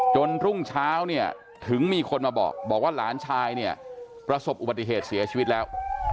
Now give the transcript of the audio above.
รุ่งเช้าเนี่ยถึงมีคนมาบอกว่าหลานชายเนี่ยประสบอุบัติเหตุเสียชีวิตแล้ว